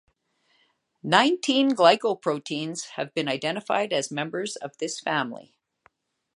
Nineteen glycoproteins have been identified as members of this family.